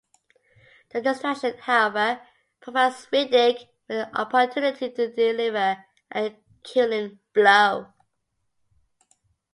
The distraction however, provides Riddick with the opportunity to deliver a killing blow.